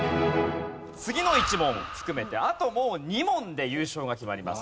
次の１問を含めてあともう２問で優勝が決まります。